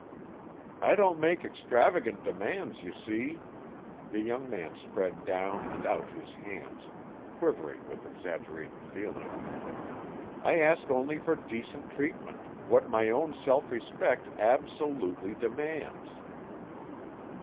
"I don't make extravagant demands, you see," the young man spread down and out his hands, quivering with exaggerated feeling; "I ask only for decent treatment, what my own self respect ab so lute ly demands."